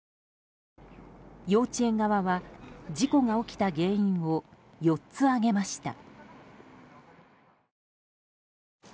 幼稚園側は事故が起きた原因を４つ挙げました。